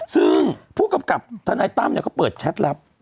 ซึ่งผู้กำกับทนายตั้มเขาเปิดแชทลับ